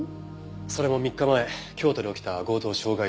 それも３日前京都で起きた強盗傷害事件の。